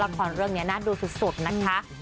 เรื่องนี้น่าดูสุดนะคะ